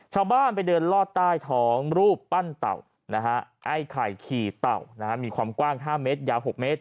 ชาวบ้านไปเดินลอดใต้ท้องรูปปั้นเต่าไอ้ไข่ขี่เต่ามีความกว้าง๕เมตรยาว๖เมตร